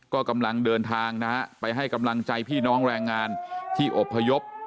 ก็กำลังเดินทางนะฮะไปให้กำลังใจพี่น้องแรงงานที่อบพยพ